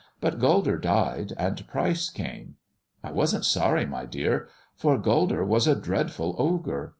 But Gulder died, and Pryce came. I wasn't sorry, my dear, for Gulder was a dreadful ogre.